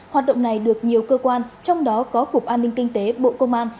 hoạt động này được nhiều cơ quan trong đó có cục an ninh kinh tế bộ công an